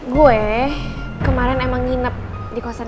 gue kemarin emang nginep di kosan